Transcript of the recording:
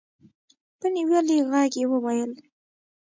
په نيولي غږ يې وويل.